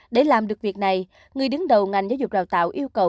để làm được việc này người đứng đầu ngành giáo dục đào tạo yêu cầu